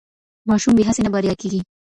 ماشوم بې هڅې نه بریالی کېږي.